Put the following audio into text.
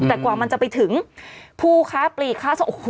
แต่กว่ามันจะไปถึงภูค้าปลีค้าส่ง